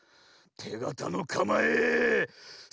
てがたのかまえその１！